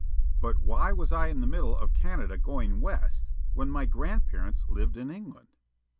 But why was I in the middle of Canada going west, when my grandparents lived in England?